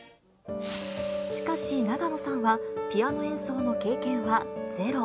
しかし永野さんは、ピアノ演奏の経験はゼロ。